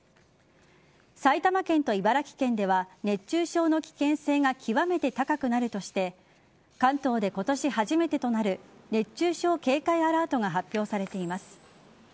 埼玉県と茨城県では熱中症の危険性が極めて高くなるとして関東で今年初めてとなる熱中症警戒アラートが発表されています。